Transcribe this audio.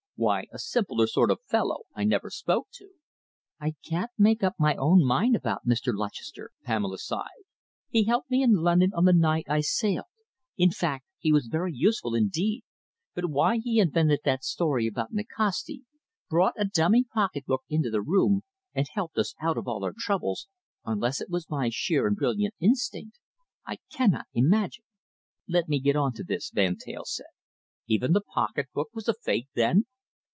Why, a simpler sort of fellow I never spoke to." "I can't make up my own mind about Mr. Lutchester," Pamela sighed. "He helped me in London on the night I sailed in fact, he was very useful indeed but why he invented that story about Nikasti, brought a dummy pocketbook into the room and helped us out of all our troubles, unless it was by sheer and brilliant instinct, I cannot imagine." "Let me get on to this," Van Teyl said. "Even the pocketbook was a fake, then?"